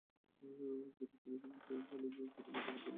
জুডি telephone ফেলে দিয়ে ছুটে বাথরুমে ঢুকে দরজা বন্ধ করে দেয়।